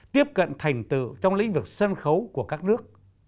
tiếp cận thành tựu trong lĩnh vực sân khấu của các nước